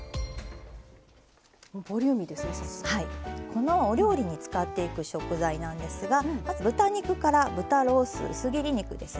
このお料理に使っていく食材なんですがまず豚肉から豚ロース薄切り肉ですね。